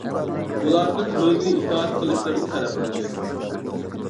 ئۇلاردىن ئۆزىگە ئىتائەت قىلىشلىرىنى تەلەپ قىلدى.